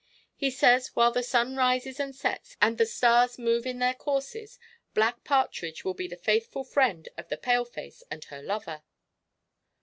He says while the sun rises and sets and the stars move in their courses, Black Partridge will be the faithful friend of the paleface and her lover."